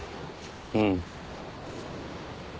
うん。